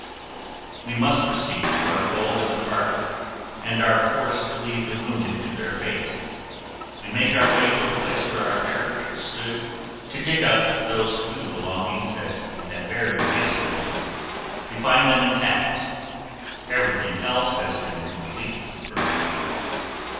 We must proceed to our goal in the park and are forced to leave the wounded to their fate. We make our way to the place where our church stood to dig up those few belongings that we had buried yesterday. We find them intact. Everything else has been completely burned.